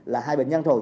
là hai bệnh nhân rồi